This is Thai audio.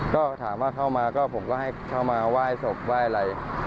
ก็ถามว่าเข้ามาก็ผมก็ให้เข้ามาไหว้ศพไหว้อะไร